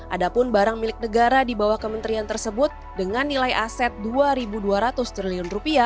ada pun barang milik negara di bawah kementerian tersebut dengan nilai aset rp dua dua ratus triliun